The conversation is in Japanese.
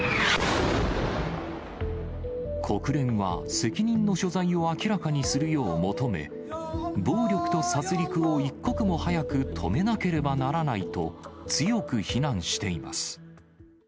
国連は責任の所在を明らかにするよう求め、暴力と殺りくを一刻も早く止めなければならないと強く非難しています。